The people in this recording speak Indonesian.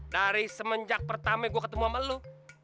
dari semenjak pertama gue ketemu sama melu